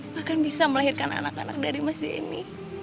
bahkan bisa melahirkan anak anak dari mas zaini